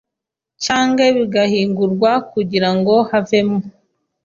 canke bigahingurwa kugira ngo havemwo